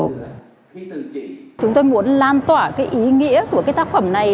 chúng tôi muốn lan tỏa ý nghĩa của tác phẩm này